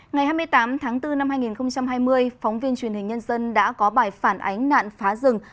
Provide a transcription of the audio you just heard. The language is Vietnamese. ngày hai mươi tám tháng bốn năm hai nghìn hai mươi phóng viên truyền hình nhân dân đã có bài phản ánh nạn phá rừng